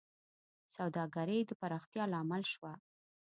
سوداګرۍ د پراختیا لامل شوه.